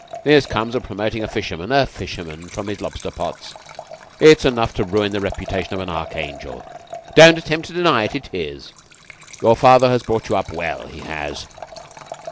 "This comes of promoting a fisherman a fisherman from his lobster pots. It's enough to ruin the reputation of an archangel. Don't attempt to deny it. It is! Your father has brought you up well. He has.